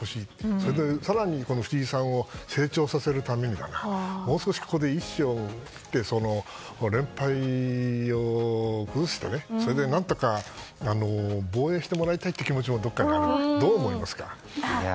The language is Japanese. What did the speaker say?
それで更に藤井さんを成長させるためにもう少し、ここで一矢を報いて連敗を崩してそれで何とか防衛してもらいたい気持ちはどこかにありますがどう思いますか。